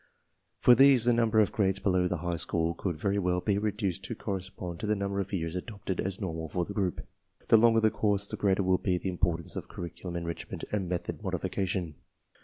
For these the num ber of grades below the high school could very well be reduced to correspond to the number of years adopted as normal for the group. The longer the course the greater will be the importance of curriculum enrich jment and method modification.